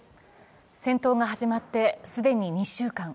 戦闘が始まって既に２週間。